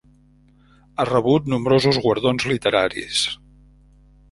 Ha rebut nombrosos guardons literaris.